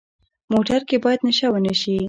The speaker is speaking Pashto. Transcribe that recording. موټر کې باید نشه ونه شي.